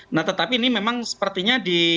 nah tetapi ini memang sepertinya di